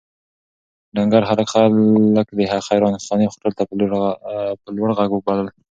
ډنکر هلک خلک د خیرخانې هوټل ته په لوړ غږ بلل.